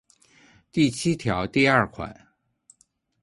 第七条第二款